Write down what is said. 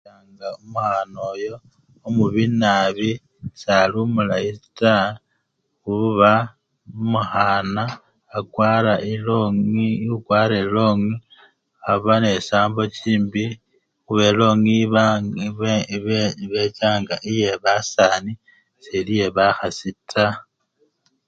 Bamubona nga omwana oyo sali omulayi taa khuba omukhana akwara elongi okwara elongi abanechisambo chimbi khubela elongi eba! ba! ibechanga yebasani seli yebakhasi taa.